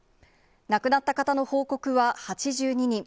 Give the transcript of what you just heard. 亡くなった方の報告は８２人。